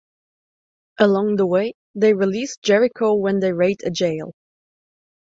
Along the way, they release Jericho when they raid a jail.